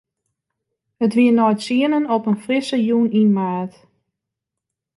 It wie nei tsienen op in frisse jûn yn maart.